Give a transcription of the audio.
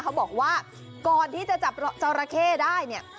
เขาบอกว่าก่อนที่จะจับจอราเข้ได้เนี่ย